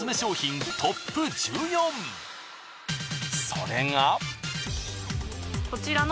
それが。